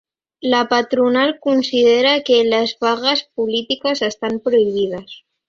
La patronal considera que les vagues polítiques estan prohibides.